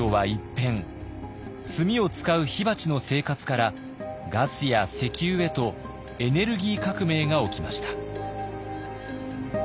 炭を使う火鉢の生活からガスや石油へとエネルギー革命が起きました。